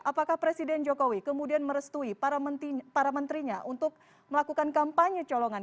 apakah presiden jokowi kemudian merestui para menterinya untuk melakukan kampanye colongan